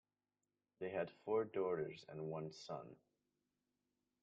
They had four daughters and one son.